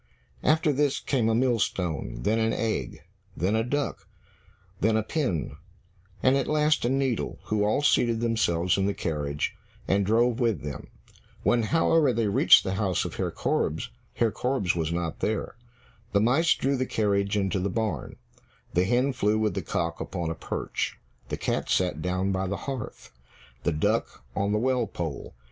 After this came a millstone, then an egg, then a duck, then a pin, and at last a needle, who all seated themselves in the carriage, and drove with them. When, however, they reached the house of Herr Korbes, Herr Korbes was not there. The mice drew the carriage into the barn, the hen flew with the cock upon a perch. The cat sat down by the hearth, the duck on the well pole.